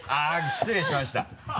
失礼しました。